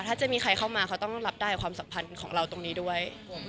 ถ้าจะมีใครเข้ามาเขาต้องรับได้ความสัมพันธ์ของเราตรงนี้ด้วย